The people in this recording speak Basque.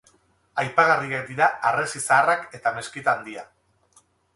Aipagarriak dira harresi zaharrak eta meskita handia.